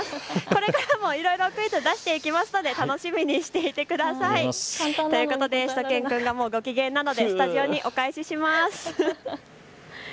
これからもいろいろ、クイズ出していきますので楽しみにしていてください。ということでしゅと犬くんはもうご機嫌なのでスタジオにお返しします。